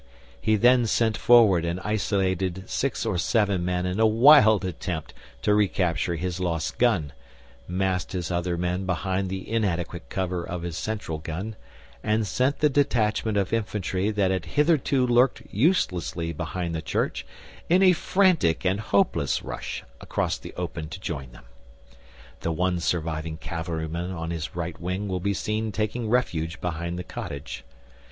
He then sent forward and isolated six or seven men in a wild attempt to recapture his lost gun, massed his other men behind the inadequate cover of his central gun, and sent the detachment of infantry that had hitherto lurked uselessly behind the church, in a frantic and hopeless rush across the open to join them. (The one surviving cavalry man on his right wing will be seen taking refuge behind the cottage.)